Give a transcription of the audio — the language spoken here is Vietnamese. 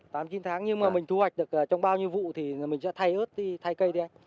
tám chín tháng nhưng mà mình thu hoạch được trong bao nhiêu vụ thì mình sẽ thay ớt đi thay cây đi